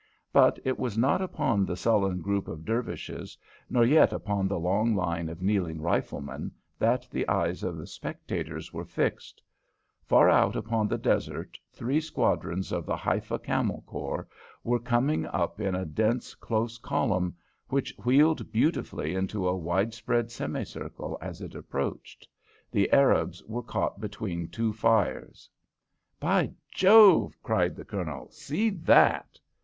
But it was not upon the sullen group of Dervishes, nor yet upon the long line of kneeling riflemen, that the eyes of the spectators were fixed. Far out upon the desert, three squadrons of the Haifa Camel Corps were coming up in a dense close column, which wheeled beautifully into a widespread semicircle as it approached. The Arabs were caught between two fires. [Illustration: Arabs were caught between two fires p261] "By Jove!" cried the Colonel. "See that!"